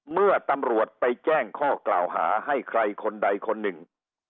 เมื่อตำรวจไปแจ้งข้อกล่าวหาให้ใครคนใดคนหนึ่ง